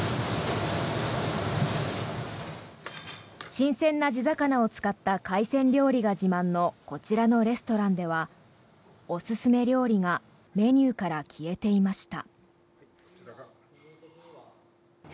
新鮮な地魚を使った海鮮料理が自慢のこちらのレストランではおすすめ料理がメニューから消えていました。